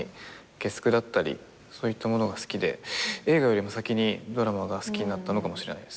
月９だったりそういったものが好きで映画よりも先にドラマが好きになったのかもしれないです。